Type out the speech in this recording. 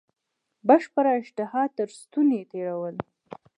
بشپړه اشتها تر ستوني تېرول.